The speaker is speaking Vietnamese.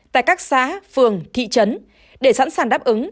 tại các xã phường thị trấn để sẵn sàng đáp ứng